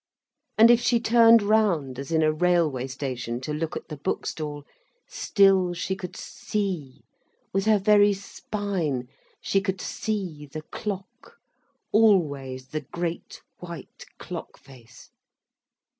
And if she turned round as in a railway station, to look at the bookstall, still she could see, with her very spine, she could see the clock, always the great white clock face.